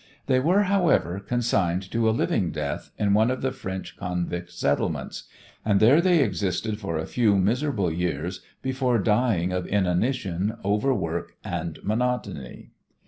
They were, however, consigned to a living death in one of the French convict settlements, and there they existed for a few miserable years before dying of inanition, overwork, and monotony.